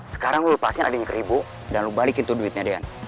sekarang lo lepasin adiknya kribo dan lo balikin tuh duitnya dean